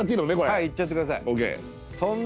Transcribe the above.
ＯＫはいいっちゃってください